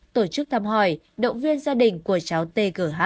tổ chức thăm hỏi động viên gia đình của cháu t g h